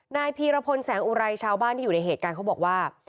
นายพีรพลแสงอุไรชาวบ้านที่อยู่ในเหตุการณ์เขาบอกว่า